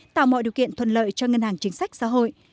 tạo mọi điều kiện thuận lợi cho ngân hàng chính sách xã hội